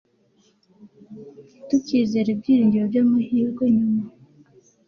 ntitukizere ibyiringiro byamahirwe nyuma